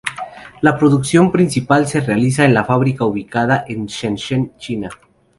La producción principal se realiza en la fábrica ubicada en Shenzhen, China.